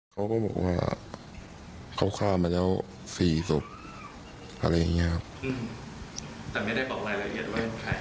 เขาก็บอกว่าเขาฆ่ามาแล้ว๔ศพอะไรอย่างนี้ครับ